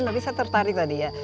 tapi saya tertarik tadi ya